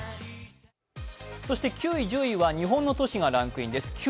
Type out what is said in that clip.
９位、１０位は日本の都市がランクインです。